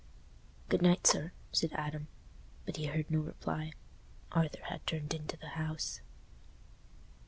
"Good night, sir," said Adam. But he heard no reply; Arthur had turned into the house.